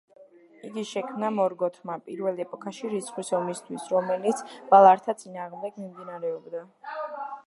იგი შექმნა მორგოთმა პირველ ეპოქაში, რისხვის ომისთვის, რომელიც ვალართა წინააღმდეგ მიმდინარეობდა.